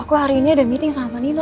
aku hari ini ada meeting sama vanino